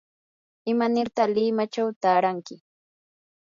¿imanirta limachaw taaranki?